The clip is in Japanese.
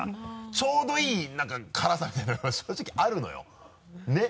ちょうどいい辛さみたいなのが正直あるのよねぇ。